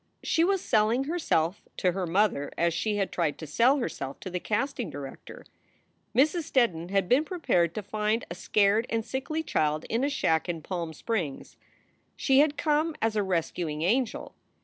She was "selling" herself to her mother as she had tried to sell herself to the casting director. Mrs. Steddon had been prepared to find a scared and sickly child in a shack in Palm Springs. She had come as a rescuing angel.